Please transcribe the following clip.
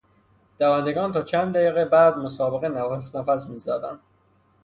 دوندگان تا چند دقیقه بعد از مسابقه نفس نفس میزدند.